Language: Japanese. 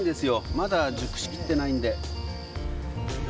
まだ熟しきってないんで。